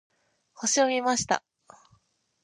星を見ました。